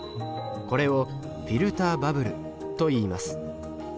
これをフィルターバブルといいます。